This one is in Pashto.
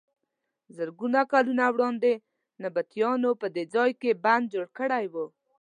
زرګونه کاله وړاندې نبطیانو په دې ځای کې بند جوړ کړی و.